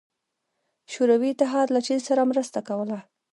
شوروي اتحاد له چین سره مرسته کوله.